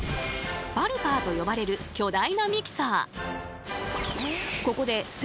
パルパーと呼ばれる巨大なミキサー。